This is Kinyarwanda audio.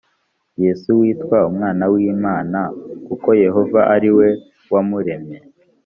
yesu yitwa umwana w imana kuko yehova ari we wamuremye